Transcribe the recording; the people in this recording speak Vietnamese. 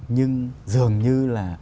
nhưng dường như là